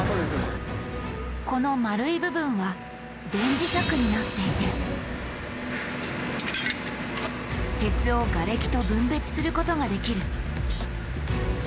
この丸い部分は電磁石になっていて鉄をガレキと分別することができる。